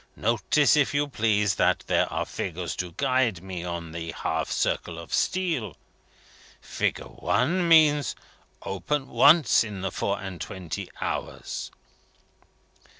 Notice, if you please, that there are figures to guide me on the half circle of steel. Figure I. means: Open once in the four and twenty hours.